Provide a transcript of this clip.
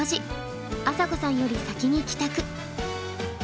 朝紗子さんより先に帰宅。